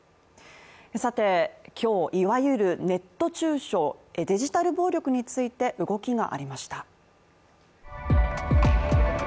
今日、いわゆるネット中傷、デジタル暴力について動きがありました。